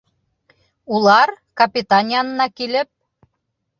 Улар, капитан янына килеп: